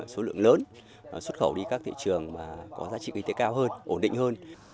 số lượng lớn xuất khẩu đi các thị trường có giá trị kinh tế cao hơn ổn định hơn